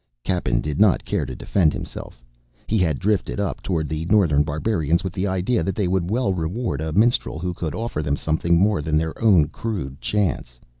Cappen did not care to defend himself. He had drifted up toward the northern barbarians with the idea that they would well reward a minstrel who could offer them something more than their own crude chants.